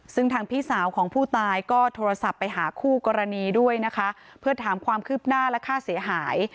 ซึ่งทางพี่สาวของผู้ตายก็โทรศัพท์ไปหาคู่กรณีด้วยนะคะเพื่อถามความคืบหน้าและค่าเสียหาย